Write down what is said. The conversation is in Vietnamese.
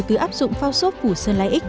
từ áp dụng phao sốt phủ sơn lai ích